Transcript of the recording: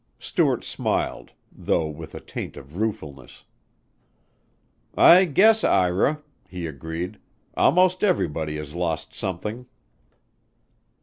Stuart smiled, though with a taint of ruefulness. "I guess, Ira," he agreed, "almost everybody has lost something."